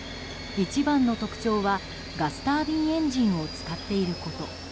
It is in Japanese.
一番の特徴はガスタービンエンジンを使っていること。